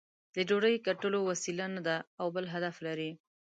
د ډوډۍ ګټلو وسیله نه ده او بل هدف لري.